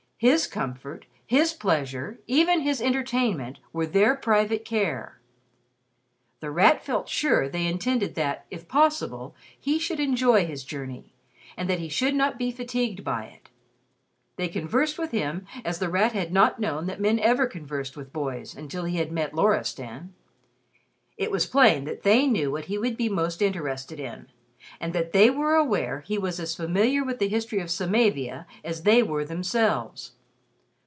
His comfort, his pleasure, even his entertainment, were their private care. The Rat felt sure they intended that, if possible, he should enjoy his journey, and that he should not be fatigued by it. They conversed with him as The Rat had not known that men ever conversed with boys, until he had met Loristan. It was plain that they knew what he would be most interested in, and that they were aware he was as familiar with the history of Samavia as they were themselves.